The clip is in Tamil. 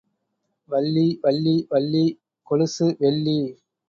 வள்ளி, வள்ளி, வள்ளி வள்ளி கொலுசு வெள்ளி.